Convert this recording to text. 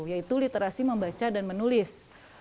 yaitu literasi membaca dan menulis